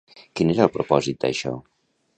Quin era el propòsit d'això?